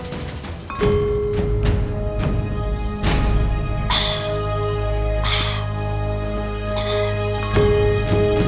kuat megah ber touchdown